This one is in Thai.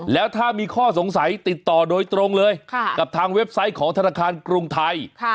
แล้วถ้ามีข้อสงสัยติดต่อโดยตรงเลยกับทางเว็บไซต์ของธนาคารกรุงไทย